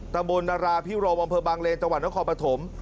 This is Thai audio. ตะโบนดาราภิโรบังเภอบังเลนจังหวัดนครปฐม